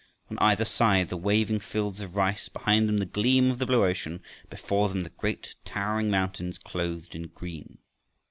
On either side the waving fields of rice, behind them the gleam of the blue ocean, before them the great towering mountains clothed in green.